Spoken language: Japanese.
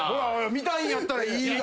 見たいんやったらいいがな。